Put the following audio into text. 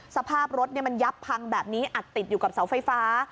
สภาพรถมันยับพังแบบนี้อัดติดอยู่กับเสาไฟฟ้า